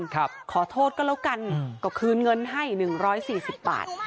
ขอโทษก็แล้วกันก็คืนเงินให้๑๔๐บาท